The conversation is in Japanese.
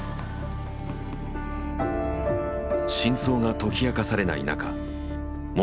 真相が解き明かされない中元